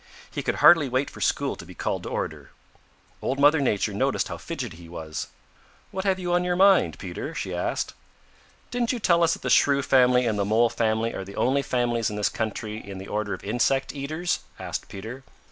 He could hardly wait for school to be called to order. Old Mother Nature noticed how fidgety he was. "What have you on your mind, Peter?" she asked. "Didn't you tell us that the Shrew family and the Mole family are the only families in this country in the order of insect eaters?" asked Peter.